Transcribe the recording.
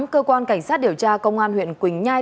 cơ quan cảnh sát điều tra công an huyện quỳnh nhai